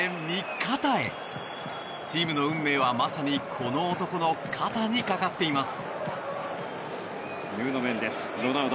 チームの運命は、まさにこの男の肩にかかっています。